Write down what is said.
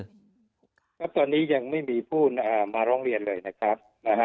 ครับครับตอนนี้ยังไม่มีผู้มาร้องเรียนเลยนะครับนะฮะ